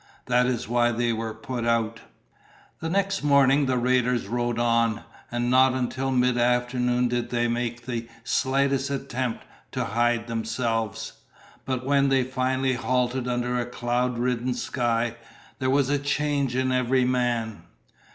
"That is why they were put out." The next morning the raiders rode on, and not until midafternoon did they make the slightest attempt to hide themselves. But when they finally halted under a cloud ridden sky, there was a change in every man.